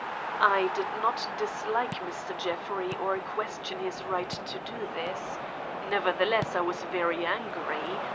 I did not dislike Mr. Jeffrey or question his right to do this. Nevertheless I was very angry.